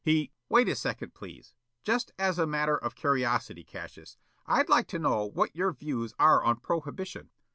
He " "Wait a second, please. Just as a matter of curiosity, Cassius, I'd like to know what your views are on prohibition."